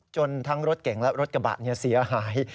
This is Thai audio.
ทั้งรถเก่งและรถกระบะเสียหาย